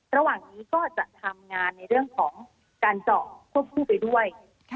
ระหว่างนี้ก็จะทำงานในเรื่องของการเจาะควบคู่ไปด้วย